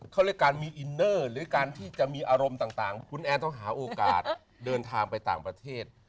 เขาเรียกการมีอินเนอร์หรือการที่จะมีอารมณ์ต่างคุณแอนต้องหาโอกาสเดินทางไปต่างประเทศ